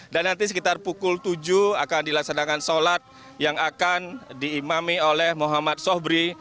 dan nanti sekitar pukul tujuh akan dilaksanakan sholat yang akan diimami oleh muhammad sohbri